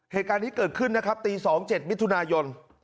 เหตุการณ์นี้เกิดขึ้นนะครับตี๒๗มิถุนายน